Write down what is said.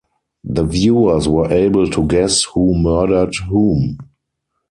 The viewers were able to guess who murdered whom.